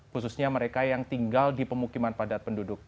khususnya mereka yang tinggal di pemukiman padat penduduk